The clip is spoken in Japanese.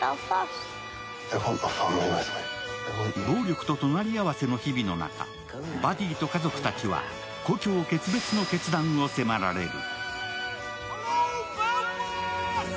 暴力と隣り合わせの日々の中、バディと家族たちは故郷決別の決断を迫られる。